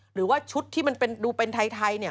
หรือว่าชุดที่มันดูเป็นไทยเนี่ย